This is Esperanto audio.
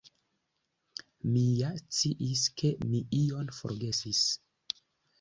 Mi ja sciis, ke mi ion forgesis.